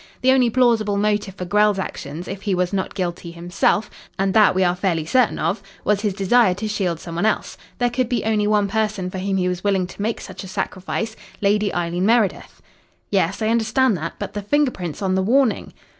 The only plausible motive for Grell's actions, if he was not guilty himself and that we are fairly certain of was his desire to shield some one else. There could be only one person for whom he was willing to make such a sacrifice Lady Eileen Meredith." "Yes, I understand that. But the finger prints on the warning?"